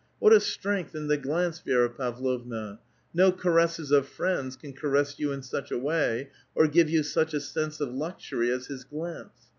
What a strength in the glance, Vi^ra Pavlovna ! No caresses of friends can caress } on in such a way, or give you such a sense of luxury, as his glance.